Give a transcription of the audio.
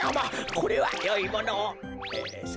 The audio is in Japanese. これはよいものを。